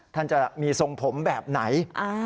ท่านจะมีทรงผมแบบไหน